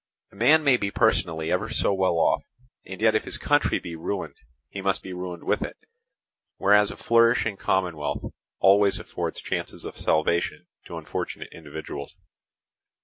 A man may be personally ever so well off, and yet if his country be ruined he must be ruined with it; whereas a flourishing commonwealth always affords chances of salvation to unfortunate individuals.